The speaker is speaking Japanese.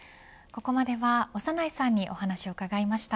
ここまでは長内さんにお話を伺いました。